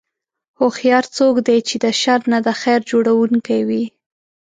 هوښیار څوک دی چې د شر نه د خیر جوړوونکی وي.